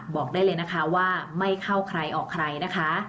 บอกได้เลยนะคะว่าไม่เข้าใครออกใครนะคะ